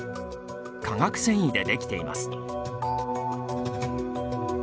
化学繊維で出来ています。